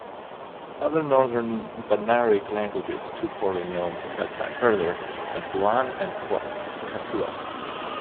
Other Northern Bahnaric languages, too poorly known to classify further, are Duan and Katua.